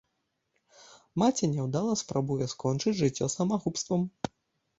Маці няўдала спрабуе скончыць жыццё самагубствам.